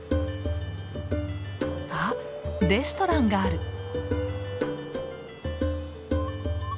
あレストランがある。